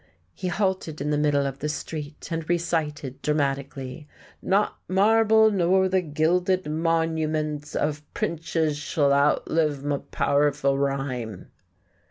He halted in the middle of the street and recited dramatically: "'Not marble, nor th' gilded monuments Of prinches sh'll outlive m' powerful rhyme.'"